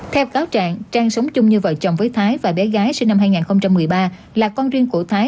theo cáo trạng trang sống chung như vợ chồng với thái và bé gái sinh năm hai nghìn một mươi ba là con riêng của thái